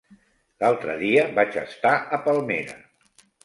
L'altre dia vaig estar a Palmera.